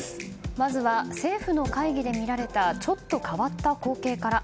まずは政府の会議で見られたちょっと変わった光景から。